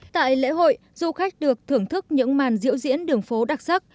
tại lễ hội du khách được thưởng thức những màn diễu diễn đường phố đặc sắc